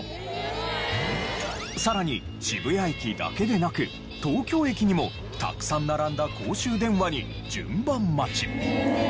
さらに渋谷駅だけでなく東京駅にもたくさん並んだ公衆電話に順番待ち。